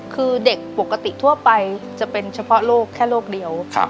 คือเด็กปกติทั่วไปจะเป็นเฉพาะโรคแค่โรคเดียว